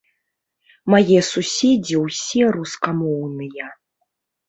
Мае суседзі ўсе рускамоўныя.